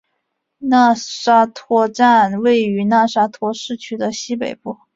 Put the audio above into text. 讷沙托站位于讷沙托市区的西北部。